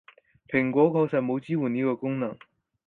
蘋果確實冇支援呢個功能